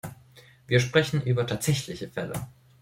Wir sprechen über tatsächliche Fälle.